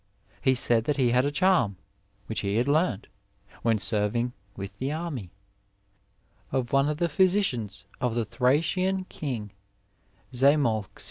He said that he had a charm, which he had learnt, when serving with the army, of one of the physicians of the Thracian king, Zamolxis.